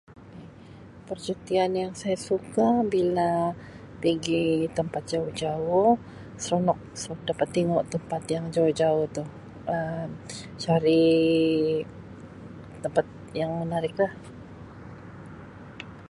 Percutian yang saya suka bila pigi tempat jauh-jauh seronok seb dapat tingu tempat yang jauh-jauh tu Um cari tempat yang menarik lah.